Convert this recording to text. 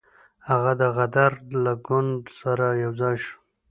هغه د غدر له ګوند سره یو ځای شو.